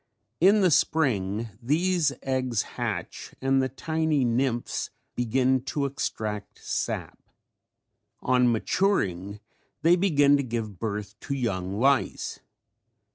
In the spring these eggs hatch and the tiny nymphs begin to extract sap. On maturing they begin to give birth to young lice.